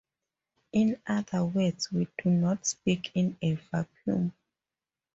In other words, we do not speak in a vacuum.